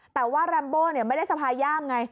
แต่ว่าแรมโบ้ไม่ได้สะพายย่ามไง